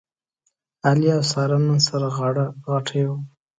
علي او ساره نن سره غاړه غټۍ و.